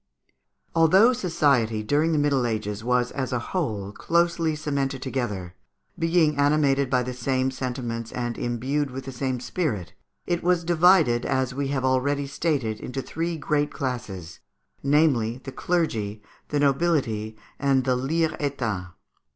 Although society during the Middle Ages was, as a whole, closely cemented together, being animated by the same sentiments and imbued with the same spirit, it was divided, as we have already stated, into three great classes, namely, the clergy, the nobility, and the _liers état.